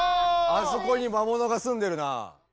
あそこにまものがすんでるな。